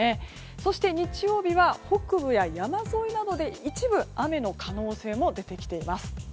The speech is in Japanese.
そして日曜日は北部や山沿いなどで一部、雨の可能性も出てきています。